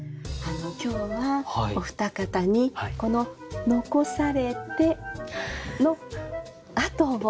今日はお二方にこの「遺されて」のあとを。